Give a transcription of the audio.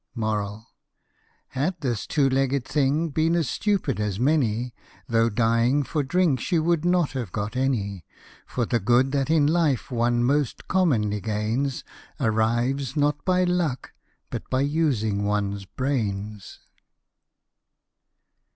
50 Had this two legged thing been as stupid as many, Though dying for drink she would not have got any ; For the good that in life one most commonly gains, Arrives not by hick, but by using one's brains.